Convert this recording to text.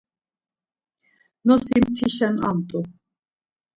Nosi tişen amt̆u.